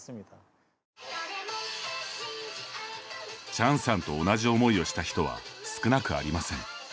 チャンさんと同じ思いをした人は少なくありません。